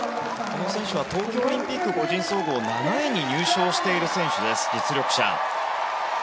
この選手は東京オリンピック個人総合７位に入賞している選手です実力者。